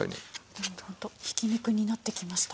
でもちゃんとひき肉になってきました。